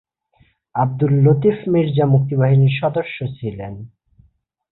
আবদুল লতিফ মির্জা মুক্তিবাহিনীর সদস্য ছিলেন।